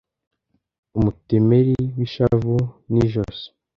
Umutemeli wishavu ni ijosi.